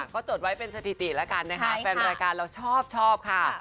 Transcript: ก็จดไว้เป็นสถิติแล้วกันนะคะแฟนรายการเราชอบชอบค่ะ